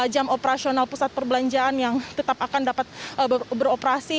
jam operasional pusat perbelanjaan yang tetap akan dapat beroperasi